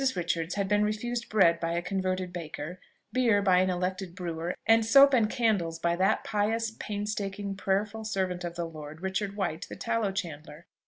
Richards had been refused bread by a converted baker; beer, by an elected brewer; and soap and candles, by that pious, pains taking, prayerful servant of the Lord, Richard White, the tallow chandler.